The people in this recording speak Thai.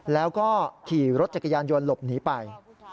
แล้วก็ขี่รถจักรยานยนต์หลบหนีไป